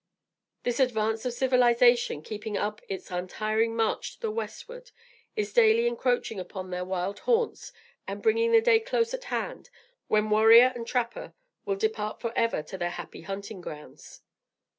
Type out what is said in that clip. The advance of civilization, keeping up its untiring march to the westward, is daily encroaching upon their wild haunts and bringing the day close at hand when warrior and trapper will depart forever to their "Happy Hunting Grounds."